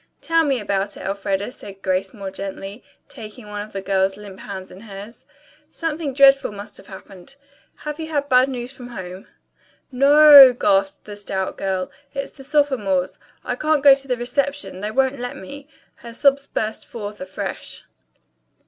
"Tell me about it, Elfreda," said Grace more gently, taking one of the girl's limp hands in hers. "Something dreadful must have happened. Have you had bad news from home?" "No o o," gasped the stout girl. "It's the sophomores. I can't go to the reception. They won't let me." Her sobs burst forth afresh.